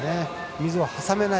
水を挟めない。